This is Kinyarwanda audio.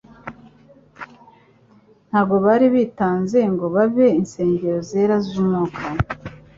Ntabwo bari baritanze ngo babe insengero zera z'umwuka.